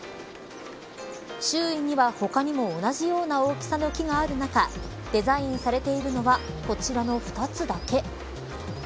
周囲には他にも同じような大きさの木がある中デザインされているのはこちらの２つだけ。